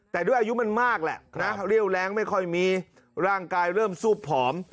แต่ด้วยอายุมันมากแหละนะเรี่ยวแรงไม่ค่อยมีร่างกายเริ่มซูบผอม